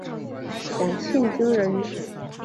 蒋庆均人。